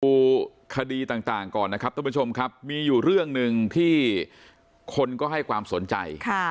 ดูคดีต่างก่อนนะครับมีอยู่เรื่องหนึ่งที่คนก็ให้ความสนใจ